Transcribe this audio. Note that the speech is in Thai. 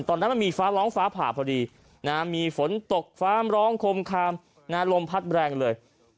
ตอนนั้นมันมีฟ้าร้องฟ้าผ่าพอดีมีฝนตกฟ้ามร้องคมคามลมพัดแรงเลย